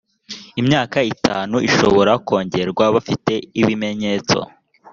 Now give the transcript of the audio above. imyaka itanu ishobora kongerwa bafite ibimenyetso